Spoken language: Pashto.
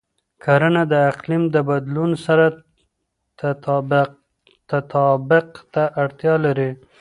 کرنه د اقلیم د بدلون سره تطابق ته اړتیا لري.